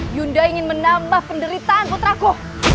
huyunda ingin menambah penderitaan puteraku